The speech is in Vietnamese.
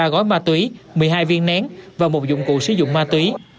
ba gói ma túy một mươi hai viên nén và một dụng cụ sử dụng ma túy